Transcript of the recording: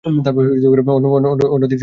অন্য দিক সম্পর্কে চুপ করে রইলেন।